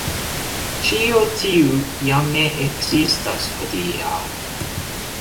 Ĉio tiu jam ne ekzistas hodiaŭ.